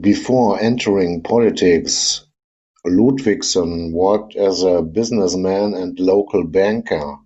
Before entering politics Ludvigsen worked as a businessman and local banker.